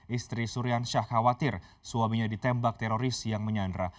istri surian syah khawatir suaminya ditembak teroris yang menyandra